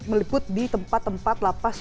meliput di tempat tempat lapas